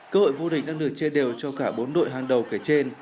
cơ hội vô địch đang được chia đều cho cả bốn đội hàng đầu kể trên